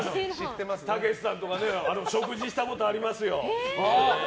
たけしさんとか食事したことありますよ。